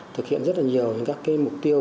thực hiện rất là nhiều các mục tiêu